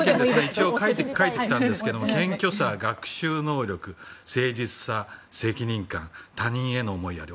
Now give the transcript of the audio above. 一応書いてきたんですが謙虚さ、学習能力誠実さ、責任感他人への思いやり。